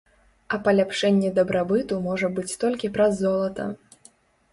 А паляпшэнне дабрабыту можа быць толькі праз золата.